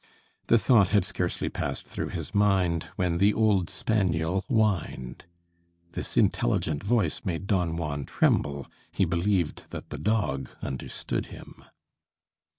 The thought had scarcely passed through his mind when the old spaniel whined. This intelligent voice made Don Juan tremble. He believed that the dog understood him.